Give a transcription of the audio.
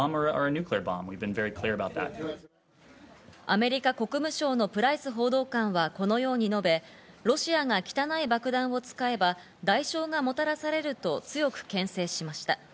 アメリカ国務省のプライス報道官はこのように述べ、ロシアが汚い爆弾を使えば代償がもたらされると強くけん制しました。